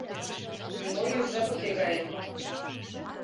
Нимо йӱржат уке гае